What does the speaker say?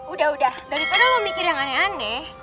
udah udah daripada lo mikir yang aneh aneh